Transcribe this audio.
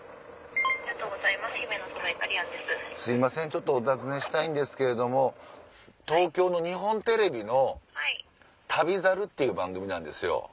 すいませんお尋ねしたいんですけれども東京の日本テレビの『旅猿』っていう番組なんですよ。